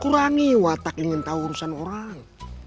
kurangi watak ingin tahu urusan orang